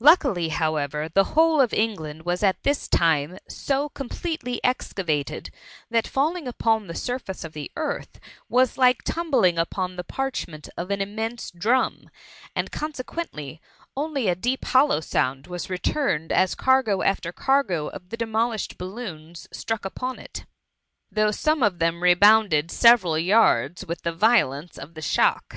Lucidly^ however, the whole of England was at this time so completely excavated, that falling upon the surface of the earth was like tumbling upon the parchment of an immense drum, and consequently only a deep hollow sound was returned as cargo after cargo of the demolished balloons struck upon it ; though some of them rebounded several yards with the violence of the shock.